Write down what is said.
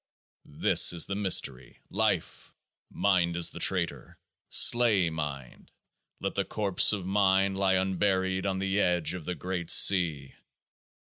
This is the mystery. Life ! Mind is the traitor. Slay mind. Let the corpse of mind lie unburied on the edge of the Great Sea